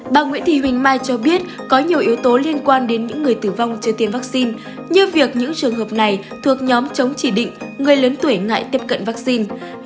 bà nguyễn thị huỳnh mai cho biết có nhiều yếu tố liên quan đến những người tử vong chưa tiêm vaccine như việc những trường hợp này thuộc nhóm chống chỉ định người lớn tuổi ngại tiếp cận vaccine